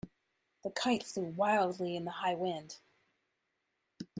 The kite flew wildly in the high wind.